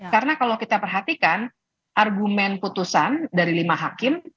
karena kalau kita perhatikan argumen putusan dari lima hakim